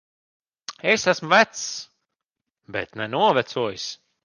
Es esmu vecs. Bet ne novecojis.